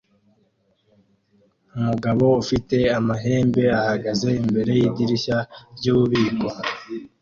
Umugabo ufite amahembe ahagaze imbere yidirishya ryububiko